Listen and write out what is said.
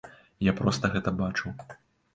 Я проста гэта бачыў.